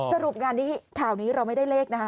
สรุปงานนี้ข่าวนี้เราไม่ได้เลขนะคะ